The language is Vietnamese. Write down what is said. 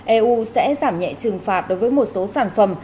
eu sẽ giảm nhẹ trừng phạt đối với một số sản phẩm